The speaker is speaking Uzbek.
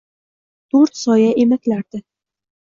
To’rt soya emaklardi